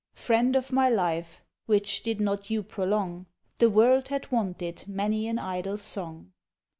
Friend of my life; which did not you prolong, _The world had wanted many an idle song!